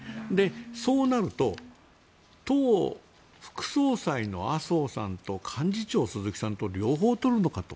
そうなると党副総裁の麻生さんと幹事長、鈴木さんと両方取るのかと。